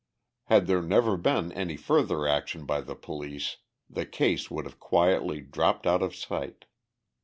Had there never been any further action by the police, the case would have quietly dropped out of sight.